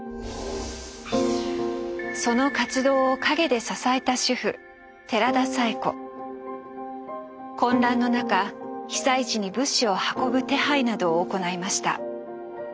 その活動を陰で支えた混乱の中被災地に物資を運ぶ手配などを行いました。